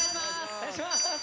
お願いします。